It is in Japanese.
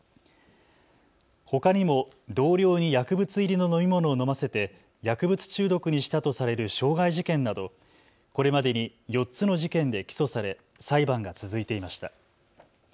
ほかにも同僚に薬物入りの飲み物を飲ませて薬物中毒にしたとされる傷害事件などこれまでに４つの事件で起訴され裁判が続いていました。